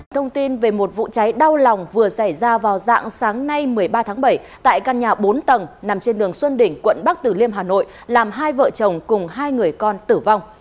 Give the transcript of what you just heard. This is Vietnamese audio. thông tin về một vụ cháy đau lòng vừa xảy ra vào dạng sáng nay một mươi ba tháng bảy tại căn nhà bốn tầng nằm trên đường xuân đỉnh quận bắc tử liêm hà nội làm hai vợ chồng cùng hai người con tử vong